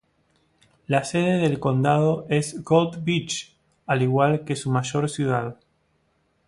La sede del condado es Gold Beach, al igual que su mayor ciudad.